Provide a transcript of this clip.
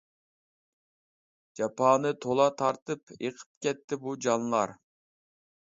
جاپانى تولا تارتىپ، ئېقىپ كەتتى بۇ جانلار.